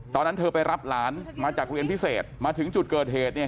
ตอนนั้นเธอไปรับหลานมาจากเรียนพิเศษมาถึงจุดเกิดเหตุเนี่ย